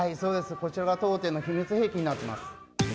こちらが当店の秘密兵器になってます。